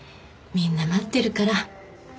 みんな待ってるから。